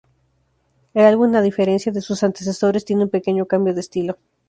El álbum a diferencia de sus antecesores, tiene un pequeño cambio de estilo.